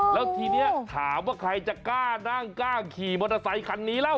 แล้วทีนี้ถามว่าใครจะกล้านั่งกล้าขี่มอเตอร์ไซคันนี้แล้ว